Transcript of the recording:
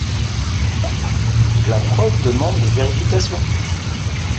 La preuve demande des vérifications.